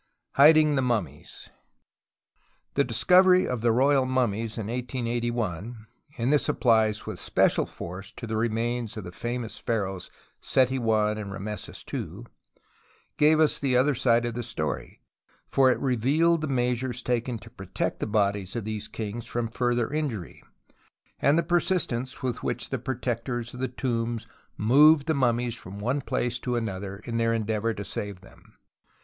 Hiding the Mummies The discovery of the royal mummies in 1881 — and this applies with special force to the remains of the famous pharaohs Seti I and Rameses II — gave us the other side of the story, for it revealed the measures taken to protect the bodies of these kings from further injury, and the persistence with which the protectors of the tombs moved the mummies from one place to another in their endeavour to save them.